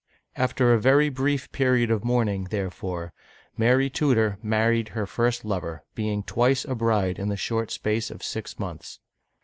After a very brief period of mourning, therefore, Mary Tudor married her first lover, being twice a bride in the short space of six months.